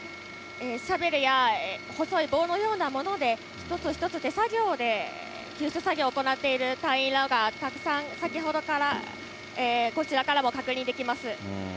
シャベルや細い棒のようなもので、一つ一つ手作業で救出作業を行っている隊員らが、たくさん、先ほどから、こちらからも確認できます。